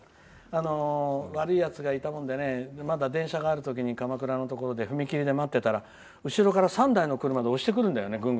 悪いやつがいたもんでまだ電車がある時に鎌倉のところで踏切で待っていたら後ろから３台の車で押してくるんだよね。